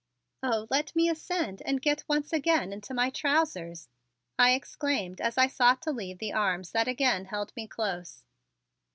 "Oh, let me ascend and get once again into my trousers!" I exclaimed as I sought to leave the arms that again held me close.